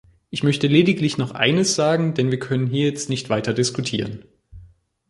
Ich möchte lediglich noch eines sagen, denn wir können hier jetzt nicht weiter diskutieren.